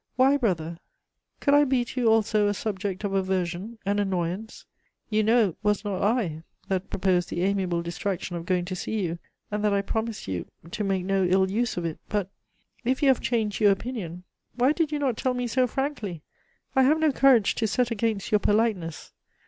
Why, brother, could I be to you also a subject of aversion and annoyance? You know it was not I that proposed the amiable distraction of going to see you, and that I promised you to make no ill use of it; but, if you have changed your opinion, why did you not tell me so frankly? I have no courage to set against your politeness.